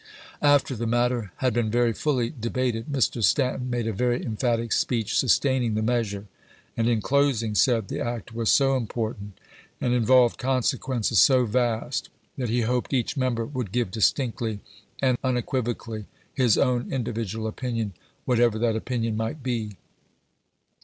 After the matter had been very fully de bated, Mr. Stanton made a very emphatic speech sustain ing the measure, and in closing said the act was so important, and involved consequences so vast, that he hoped each member would give distinctly and unequiv ocally his own individual opinion, whatever that opinion might be.